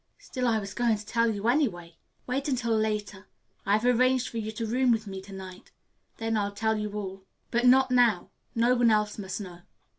Still, I was going to tell you, anyway. Wait until later. I have arranged for you to room with me to night. Then I'll tell you all. But not now. No one else must know."